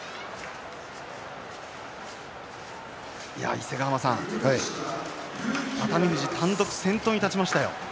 伊勢ヶ濱さん、熱海富士単独先頭に立ちましたよ。